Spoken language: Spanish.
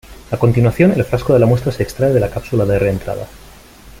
A continuación, el frasco de la muestra se extrae de la cápsula de reentrada.